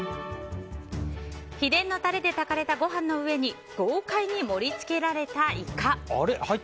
秘伝のタレで炊かれたご飯の上に豪快に盛り付けられたイカ。